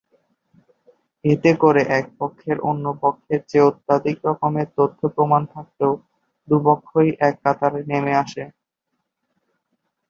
এতে করে এক পক্ষের অন্য পক্ষের চেয়ে অত্যধিক রকমের তথ্যপ্রমাণ থাকলেও দুই পক্ষই এক কাতারে নেমে আসে।